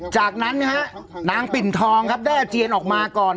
จากนั้นนะฮะนางปิ่นทองครับได้อาเจียนออกมาก่อน